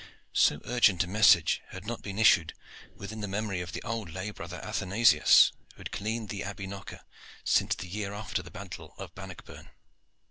So urgent a message had not been issued within the memory of old lay brother Athanasius, who had cleaned the Abbey knocker since the year after the Battle of Bannockburn.